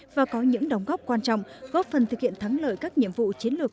và có những đóng góp quan trọng góp phần thực hiện thắng lợi các nhiệm vụ chiến lược